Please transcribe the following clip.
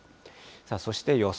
そして予想